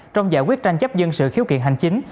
trong giải quyết tranh chấp dân sự khiếu kiện hành chính